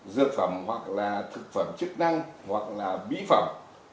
dược phẩm hoặc là thực phẩm chức năng hoặc là mỹ phẩm